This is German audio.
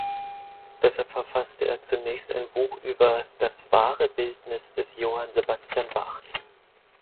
Deshalb verfasste er zunächst ein Buch über »Das wahre Bildnis des Johann Sebastian Bach«.